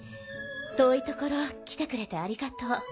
遠い所来てくれてありがとう。